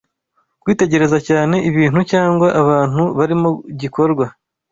Kwitegereza cyane, ibintu cyangwa abantu barimu gikorwa